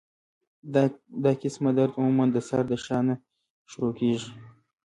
دا قسمه درد عموماً د سر د شا نه شورو کيږي